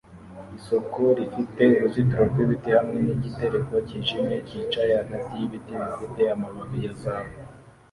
Isoko rifite uruzitiro rwibiti hamwe nigitereko cyijimye cyicaye hagati yibiti bifite amababi ya zahabu